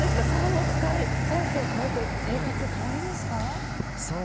３億回再生を超えて生活変わりました？